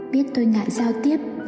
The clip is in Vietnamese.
biết tôi ngại giao tiếp